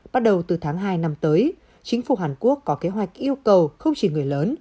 bắt đầu từ tháng hai năm tới chính phủ hàn quốc có kế hoạch yêu cầu không chỉ người lớn